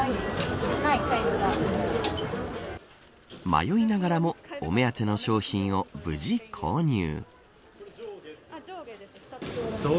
迷いながらもお目当ての商品を無事購入。